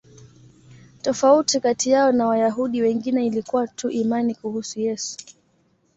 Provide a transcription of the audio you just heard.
Tofauti kati yao na Wayahudi wengine ilikuwa tu imani kuhusu Yesu.